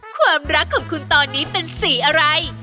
ความรักของคุณตอนนี้เป็นสีอะไร